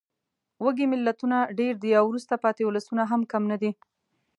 وږې ملتونه ډېر دي او وروسته پاتې ولسونه هم کم نه دي.